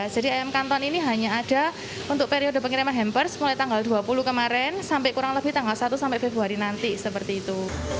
jadi ayam kanton ini hanya ada untuk periode pengiriman hampers mulai tanggal dua puluh kemarin sampai kurang lebih tanggal satu sampai februari nanti seperti itu